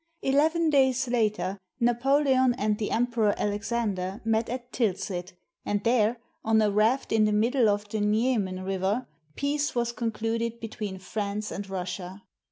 Eleven days later, Napoleon and the Em peror Alexander met at Tilsit, and there, on a raft in the middle of the Niemen River, peace was concluded between France and Russia.